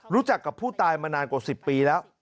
รู้จักกับผู้ตายมานานกว่า๑๐ปีแล้ว